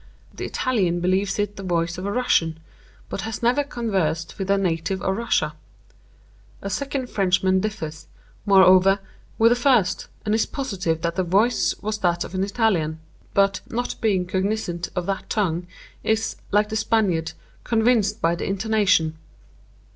_' The Italian believes it the voice of a Russian, but 'has never conversed with a native of Russia.' A second Frenchman differs, moreover, with the first, and is positive that the voice was that of an Italian; but, not being cognizant of that tongue, is, like the Spaniard, 'convinced by the intonation.